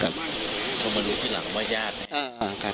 เพิ่งมารู้ที่หลังว่ายาดใช่มั้ย